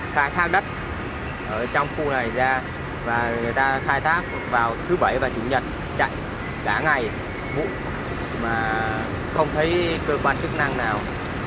khai thác đất ở trong khu này ra và người ta khai thác vào thứ bảy và chủ nhật chạy cả ngày vụ mà không thấy cơ quan chức năng nào